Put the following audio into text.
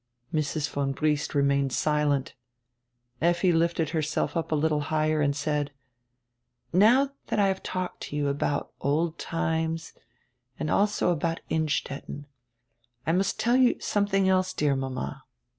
Mrs. von Briest remained silent. Effi lifted herself up a little higher and said: "Now that I have talked to you about old times and also about Innstetten, I must tell you something else, dear mama."